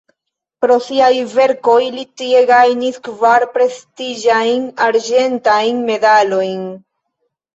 Pro siaj verkoj li tie gajnis kvar prestiĝajn arĝentajn medalojn.